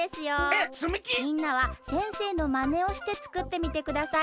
みんなは先生のまねをしてつくってみてください。